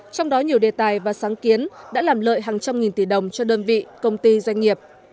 trong đó nhiều đề tài và sáng kiến đã làm lợi hàng trăm nghìn tỷ đồng cho đơn vị công ty doanh nghiệp